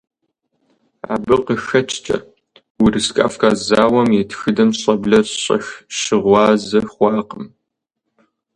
Абы къыхэкӀкӀэ Урыс-Кавказ зауэм и тхыдэм щӀэблэр щӀэх щыгъуазэ хъуакъым.